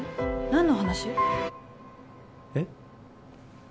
何の話？えっ？